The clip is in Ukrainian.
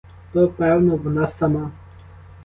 То, певно, вона сама.